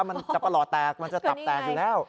มันจะประหล่อแตกมันจะตับแตกอยู่แล้ว